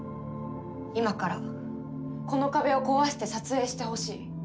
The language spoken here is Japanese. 今からこの壁を壊して撮影してほしい。